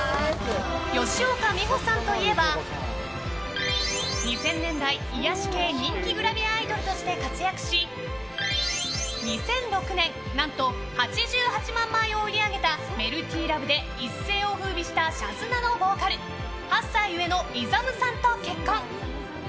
吉岡美穂さんといえば２０００年代癒やし系人気グラビアアイドルとして活躍し２００６年何と８８万枚を売り上げた「ＭｅｌｔｙＬｏｖｅ」で一世を風靡したＳＨＡＺＮＡのボーカル８歳上のＩＺＡＭさんと結婚。